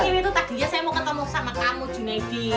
iya itu tadi ya saya mau ketemu sama kamu junedi